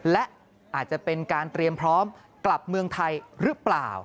และอาจจะเป็นการเตรียมพร้อมกลับเมืองไทยหรือเปล่า